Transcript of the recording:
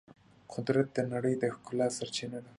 قدرت د نړۍ د ښکلا سرچینه ده.